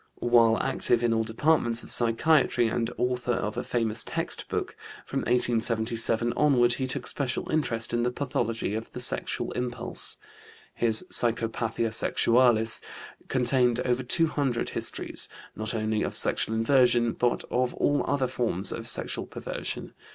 While active in all departments of psychiatry and author of a famous textbook, from 1877 onward he took special interest in the pathology of the sexual impulse. His Psychopathia Sexualis contained over two hundred histories, not only of sexual inversion but of all other forms of sexual perversion.